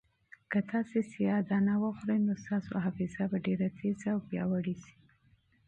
که تاسي سیاه دانه وخورئ نو ستاسو حافظه به ډېره تېزه او پیاوړې شي.